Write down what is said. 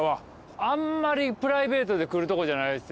あんまりプライベートで来るとこじゃないですよね。